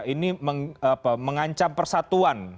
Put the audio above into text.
ini mengancam persatuan